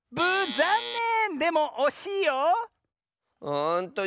ざんねん！